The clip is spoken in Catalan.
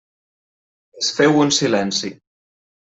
Es féu un silenci.